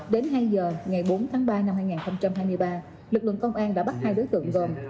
đến hai giờ ngày bốn tháng ba năm hai nghìn hai mươi ba lực lượng công an đã bắt hai đối tượng gồm